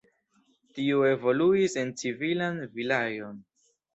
Tio evoluis en civilan vilaĝon.